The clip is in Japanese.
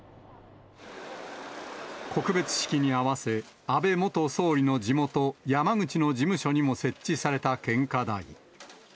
告別式に合わせ、安倍元総理の地元、山口の事務所にも設置された献花台。